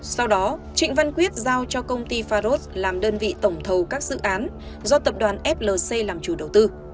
sau đó trịnh văn quyết giao cho công ty farod làm đơn vị tổng thầu các dự án do tập đoàn flc làm chủ đầu tư